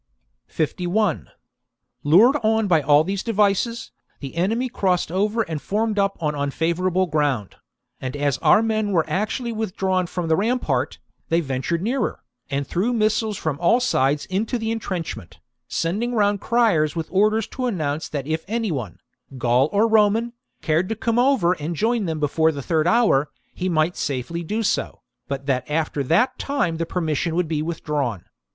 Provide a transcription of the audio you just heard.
51. Lured on by all these devices, the enemy Rout of the crossed over and form'ed up on unfavourable ground ; and as our men were actually withdrawn from the rampart, they ventured nearer, and threw missiles from all sides into the entrench ment, sending round criers with orders to announce that if any one, Gaul or Roman, cared to come over and join them before the third hour, he might safely do so, but that after that time the per mission would be withdrawn.